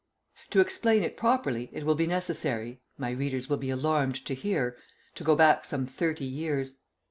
..... To explain it properly it will be necessary (my readers will be alarmed to hear) to go back some thirty years.